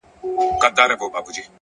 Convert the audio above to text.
هره ورځ د بدلون نوې دروازه ده!